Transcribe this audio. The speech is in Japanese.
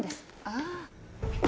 ああ。